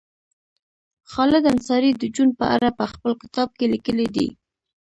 خالد انصاري د جون په اړه په خپل کتاب کې لیکلي دي